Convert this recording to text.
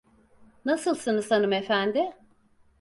Nasılsınız hanımefendi?